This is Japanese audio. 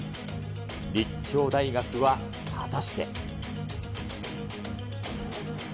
立教大学は果たして。